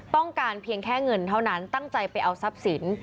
ต้องการเพียงแค่เงินเท่านั้นตั้งใจไปเอาทรัพย์สิน